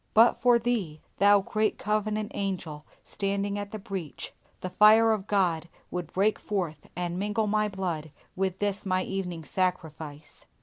But for Thee, Thou great Covenant Angel standing in the breach, the fire of God would break forth and mingle my blood with this my evening sacrifice!